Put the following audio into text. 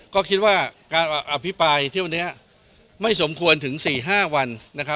ก็คิดว่าการอภิกายที่วันนี้ไม่สมควรถึงสี่ห้าวัน